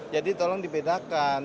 jadi tolong dibedakan